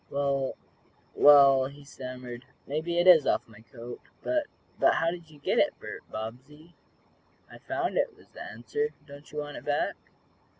"Well well," he stammered. "Maybe it is off my coat, but but how did you get it, Bert Bobbsey?" "I found it," was the answer. "Don't you want it back?"